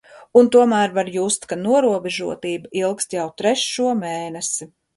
Un tomēr var just, ka norobežotība ilgst jau trešo mēnesi.